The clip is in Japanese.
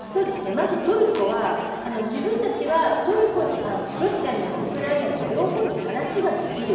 まず、トルコは自分たちはロシアにもウクライナにも両方に話ができる。